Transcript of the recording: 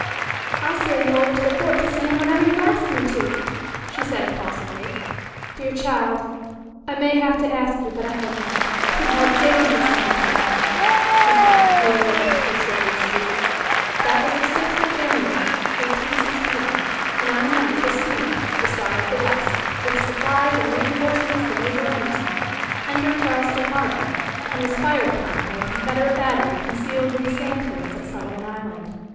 "I'll sail you over to the fort to see him whenever you ask me to," she said impulsively. "Dear child, I may have to ask you, but I hope not. 'Twould be a dangerous undertaking," she said, leaning over to kiss Sylvia's cheek. That was the sixth of January, 1861, and on the ninth a steamer, The Star of the West, with supplies and reinforcements for Major Anderson, entered Charleston harbor and was fired upon by a Confederate battery concealed in the sand hills at Sullivan Island.